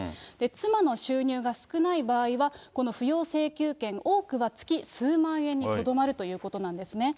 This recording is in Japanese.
妻の収入が少ない場合は、この扶養請求権、多くは月数万円にとどまるということなんですね。